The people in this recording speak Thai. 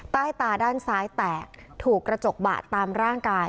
ใต้ตาด้านซ้ายแตกถูกกระจกบาดตามร่างกาย